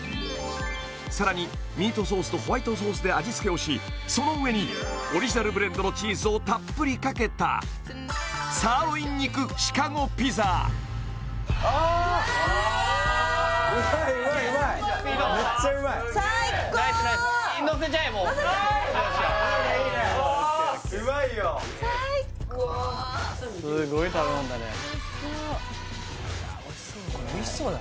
さらにミートソースとホワイトソースで味つけをしその上にオリジナルブレンドのチーズをたっぷりかけたサーロイン肉シカゴピザああっうまいうまいうまいめっちゃうまいのせちゃえもう・いいねいいねうまいよ最高おいしそうだ